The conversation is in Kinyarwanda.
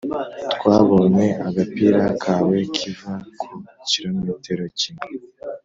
twabonye agapira kawe 'kiva ku kirometero kimwe. "